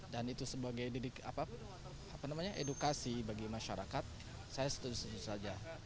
dan itu sebagai edukasi bagi masyarakat saya setuju saja